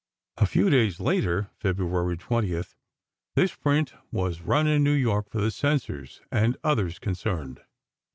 A few days later, February 20, this print was run in New York, for the censors, and others concerned.